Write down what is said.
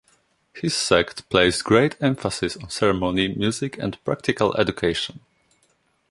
His sect placed great emphasis on ceremony, music and practical education.